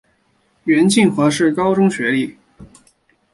袁敬华是高中学历。